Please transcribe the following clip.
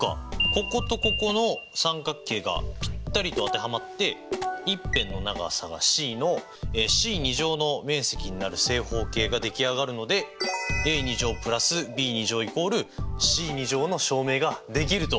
こことここの三角形がぴったりと当てはまって一辺の長さがｃのｃの面積になる正方形が出来上がるのでａ＋ｂ＝ｃの証明ができると！